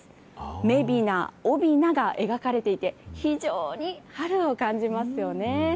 めびな、おびなが描かれていて、非常に春を感じますよね。